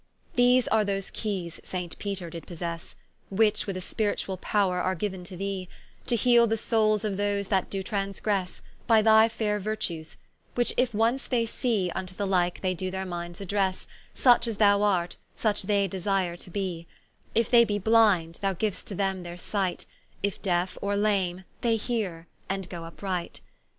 These are those Keyes Saint Peter did possesse, Which with a Spirituall powre are giu'n to thee, To heale the soules of those that doe transgresse, By thy faire virtues; which, if once they see, Vnto the like they doe their minds addresse, Such as thou art, such they desire to be: If they be blind, thou giu'st to them their sight; If deafe or lame, they heare, and goe vpright.